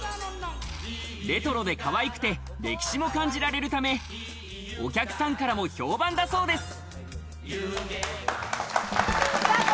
レトロでかわいくて、歴史も感じられるため、お客さんからも評判だそうです。